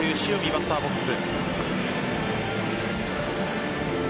バッターボックス。